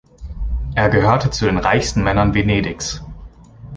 Er gehörte zu den reichsten Männern Venedigs.